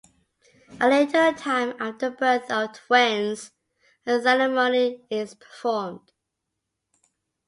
A little time after the birth of twins a ceremony is performed.